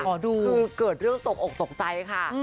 เกิดเรื่องตกอกตกใจค่ะ